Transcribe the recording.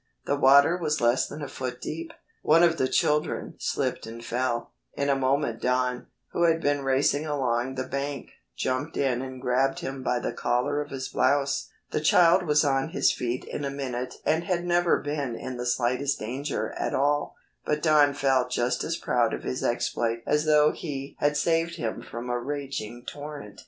The water was less than a foot deep. One of the children slipped and fell. In a moment Don, who had been racing along the bank, jumped in and grabbed him by the collar of his blouse. The child was on his feet in a minute and had never been in the slightest danger at all, but Don felt just as proud of his exploit as though he had saved him from a raging torrent.